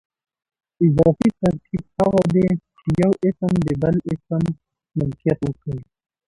اضافي ترکیب هغه دئ، چي یو اسم د بل اسم ملکیت وښیي.